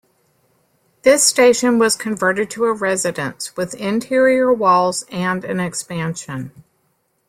This station was converted to a residence, with interior walls and an expansion.